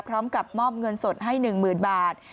พร้อมกับมอบเงินสดให้๑๐๐๐บาท